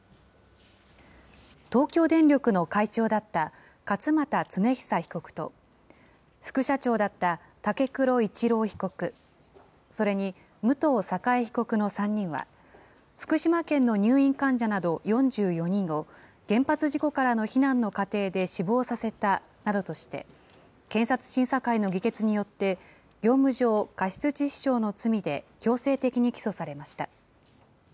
東京電力の会長だった勝俣恒久被告と、副社長だった武黒一郎被告、それに武藤栄被告の３人は、福島県の入院患者など４４人を、原発事故からの避難の過程で死亡させたなどとして、検察審査会の議決によって、業務上過失致死傷の罪で強制的に起訴されました。